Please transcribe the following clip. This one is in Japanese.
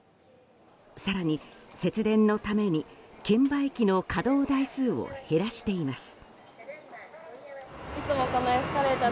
更に、節電のために券売機の稼働台数を減らしています。